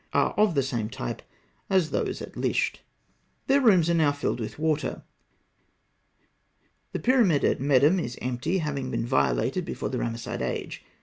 are of the same type as those at Lisht. Their rooms are now filled with water. The pyramid of Medûm is empty, having been violated before the Ramesside age.